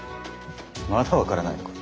まだ分からないのか。